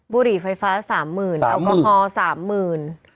บุหรี่ไฟฟ้า๓หมื่นอัลกอฮอล์๓หมื่น